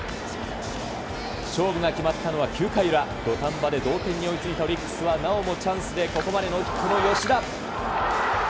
勝負が決まったのは９回裏、土壇場で同点に追いついたオリックスは、なおもチャンスでここまでノーヒットの吉田。